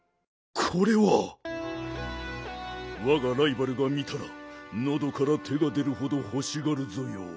これはわがライバルが見たらのどから手が出るほどほしがるぞよ。